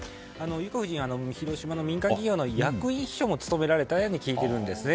裕子夫人は広島の民間企業の役員秘書も務められたんですね。